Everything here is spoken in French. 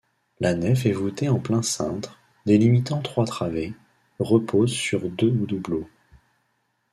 La nef est voûtée en plein cintre, délimitant trois travées, repose sur deux doubleaux.